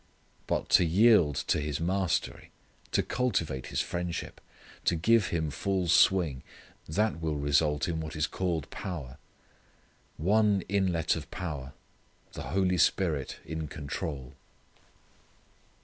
But to yield to His mastery, to cultivate His friendship, to give Him full swing that will result in what is called power. One inlet of power the Holy Spirit in control.